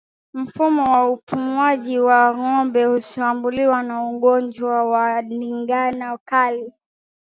Mfumo wa upumuaji wa ngombe hushambuliwa na ugonjwa wa ndigana kali